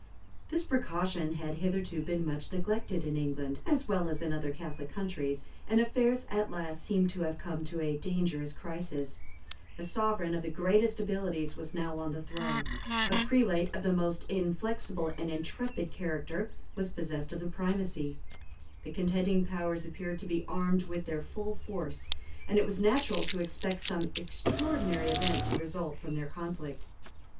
This precaution had hitherto been much neglected in England, as well as in other Catholic countries; and affairs at last seemed to have come to a dangerous crisis: a sovereign of the greatest abilities was now on the throne: a prelate of the most inflexible and intrepid character was possessed of the primacy: the contending powers appeared to be armed with their full force and it was natural to expect some extraordinary event to result from their conflict.